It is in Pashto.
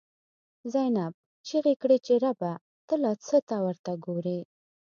زینب ” چیغی کړی چی ربه، ته لا څه ته ورته ګوری”